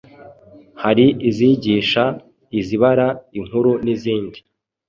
hari izigisha, izibara inkuru n’izindi.